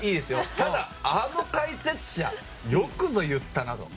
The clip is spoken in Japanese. ただ、あの解説者よくぞ言ったなと。